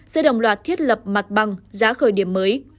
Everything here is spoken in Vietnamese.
sẽ đồng loạt thiết lập mặt bằng giá khởi điểm mới